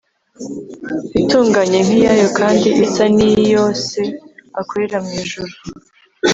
itunganye nk’iyayo, kandi isa n’iyo Se akorera mu ijuru